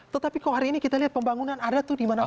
tetapi kok hari ini kita lihat pembangunan ada tuh dimana mana